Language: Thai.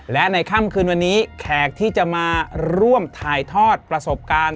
และในค่ำคืนวันนี้แขกที่จะมาร่วมถ่ายทอดประสบการณ์